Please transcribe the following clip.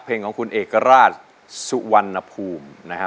เพลงของคุณเอกราชสุวรรณภูมินะฮะ